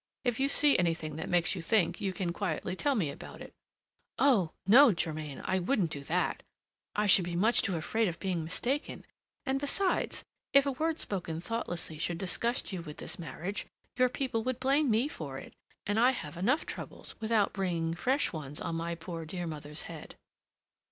If you see anything that makes you think, you can quietly tell me about it." "Oh! no, Germain, I wouldn't do that! I should be too much afraid of being mistaken; and, besides, if a word spoken thoughtlessly should disgust you with this marriage, your people would blame me for it, and I have enough troubles without bringing fresh ones on my poor dear mother's head."